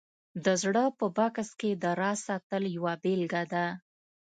د زړه په بکس کې د راز ساتل یوه بېلګه ده